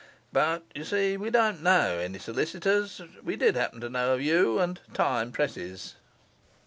'But you see we didn't know any solicitors; we did happen to know of you, and time presses.